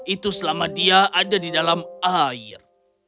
itu selama dia ada di dalam air